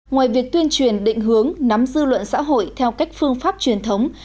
ngoài việc tuyên truyền định hướng nắm dư luận xã hội theo cách phương pháp truyền thống